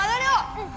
うん！